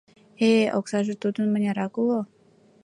Э-э... оксаже тудын мынярак уло?